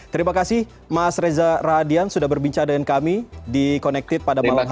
terima kasih mas reza radian sudah berbincang dengan kami di connected pada malam hari ini